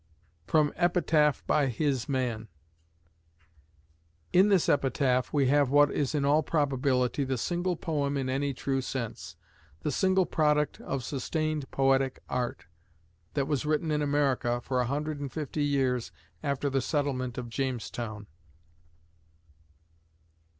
From Epitaph by "His Man" In this epitaph we have what is in all probability the single poem in any true sense the single product of sustained poetic art that was written in America for a hundred and fifty years after the settlement of Jamestown.